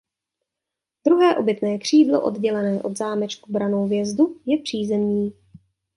Druhé obytné křídlo oddělené od zámečku branou vjezdu je přízemní.